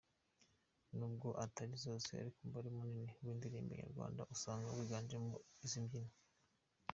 Nubwo atari zose ariko umubare munini w’indirimbo nyarwanda usanga wiganjemo izi mbyino.